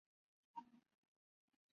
暹罗盾蛭为舌蛭科盾蛭属的动物。